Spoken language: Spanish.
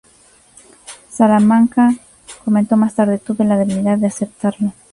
Salamanca comentó más tarde: "Tuve la debilidad de aceptarlo".